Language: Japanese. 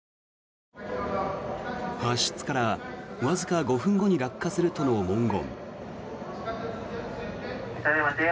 発出からわずか５分後に落下するとの文言。